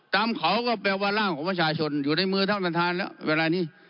ตามเขาก็แปลว่าร่างของประชาชนอยู่ในมือท่านประธานแล้วเวลานี้